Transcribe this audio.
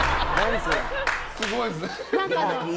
すごいですね。